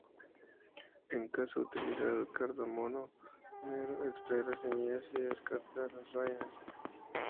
En caso de utilizar el cardamomo negro, extraer las semillas y descartar las vainas.